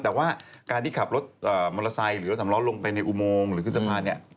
แต่ว่าการที่ขับรถมอเตอร์ไซค์หรือรถสำล้อลงไปในอุโมงหรือขึ้นสะพานเนี่ย